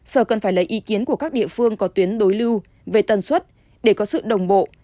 sở cần phải lấy ý kiến của các địa phương có tuyến đối lưu về tần suất để có sự đồng bộ